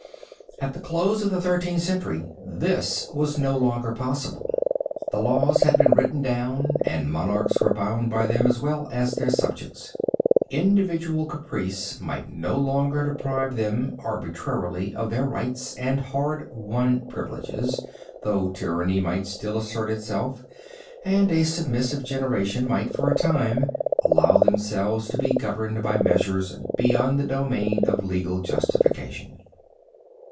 At the close of the Thirteenth Century this was no longer possible. The laws had been written down and monarchs were bound by them as well as their subjects. Individual caprice might no longer deprive them arbitrarily of their rights and hard won privileges, though tyranny might still assert itself and a submissive generation might, for a time, allow themselves to be governed by measures beyond the domain of legal justification.